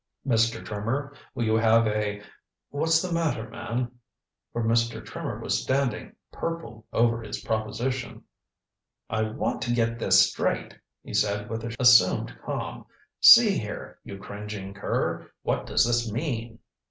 Mr. Trimmer, will you have a what's the matter, man?" For Mr. Trimmer was standing, purple, over his proposition. "I want to get this straight," he said with assumed calm. "See here, you cringing cur what does this mean?"